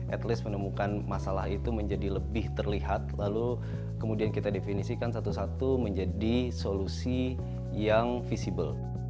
at least menemukan masalah itu menjadi lebih terlihat lalu kemudian kita definisikan satu satu menjadi solusi yang visible